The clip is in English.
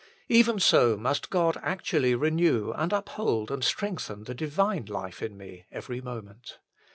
Even so must God actually renew, and uphold, and strengthen the divine life in me every moment.